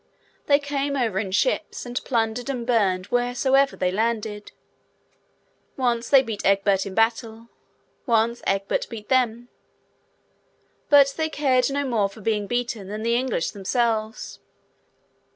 They came over in ships, and plundered and burned wheresoever they landed. Once, they beat Egbert in battle. Once, Egbert beat them. But, they cared no more for being beaten than the English themselves.